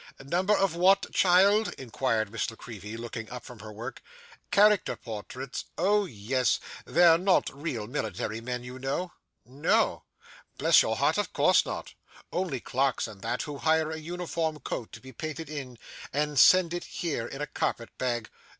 'Number of what, child?' inquired Miss La Creevy, looking up from her work. 'Character portraits, oh yes they're not real military men, you know.' 'No!' 'Bless your heart, of course not; only clerks and that, who hire a uniform coat to be painted in, and send it here in a carpet bag.